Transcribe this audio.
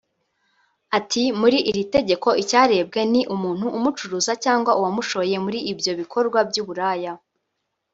Ati “Muri iri tegeko icyarebwe ni umuntu umucuruza cyangwa uwamushoye muri ibyo bikorwa by’uburaya”